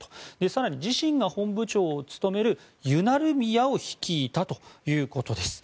更に、自身が本部長を務めるユナルミヤを率いたということです。